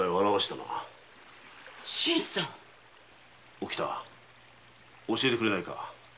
おきた教えてくれないか？